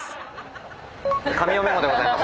神尾メモでございます。